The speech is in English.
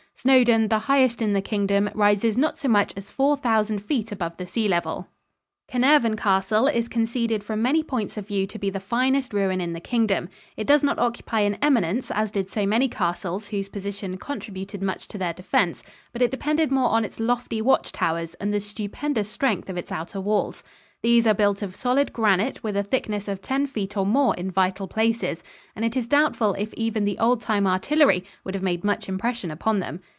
Snowdon, the highest in the Kingdom, rises not so much as four thousand feet above the sea level. Carnarvon Castle is conceded from many points of view to be the finest ruin in the Kingdom. It does not occupy an eminence, as did so many castles whose position contributed much to their defense, but it depended more on its lofty watch towers and the stupendous strength of its outer walls. These are built of solid granite with a thickness of ten feet or more in vital places, and it is doubtful if even the old time artillery would have made much impression upon them.